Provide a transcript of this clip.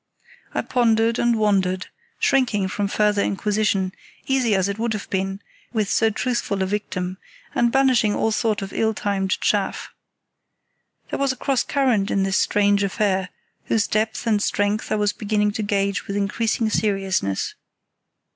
I pondered and wondered, shrinking from further inquisition, easy as it would have been with so truthful a victim, and banishing all thought of ill timed chaff. There was a cross current in this strange affair, whose depth and strength I was beginning to gauge with increasing seriousness.